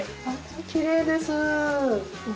きれいです。